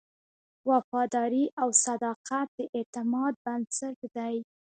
وفاداري او صداقت د اعتماد بنسټ دی.